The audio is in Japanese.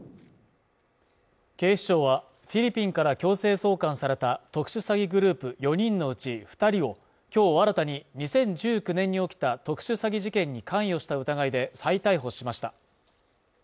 警視庁は、フィリピンから強制送還された特殊詐欺グループ４人のうち２人を今日新たに２０１９年に起きた特殊詐欺事件に関与した疑いで再逮捕しました。